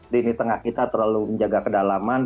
lini tengah kita terlalu menjaga kedalaman